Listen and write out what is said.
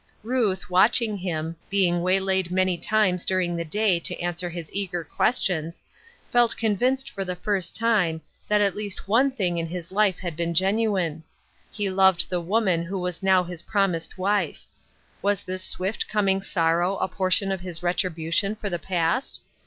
Ruth, watching him, being waylaid many times during the day to answer his eager questions, felt convinced for the first time, that at least one thing in his life had been genuine. He loved the woman who was now his promised wife. Was this swift coming sorrow a portion of his retribution for the past